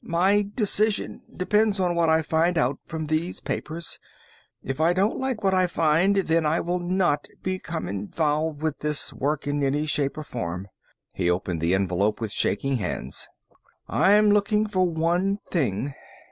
"My decision depends on what I find out from these papers. If I don't like what I find, then I will not become involved with this work in any shape or form." He opened the envelope with shaking hands. "I'm looking for one thing."